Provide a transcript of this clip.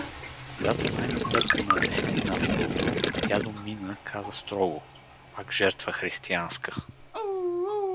Когато най-напред го навести на леглото, дядо Мина каза строго: — Пак жертва християнска!